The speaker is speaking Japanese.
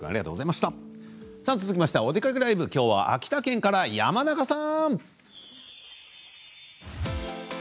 続きまして「おでかけＬＩＶＥ」きょうは秋田県から山中さん！